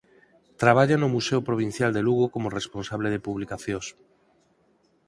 Traballa no Museo Provincial de Lugo como responsable de publicacións.